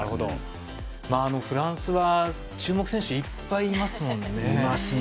フランスは注目選手がいっぱいいますもんね。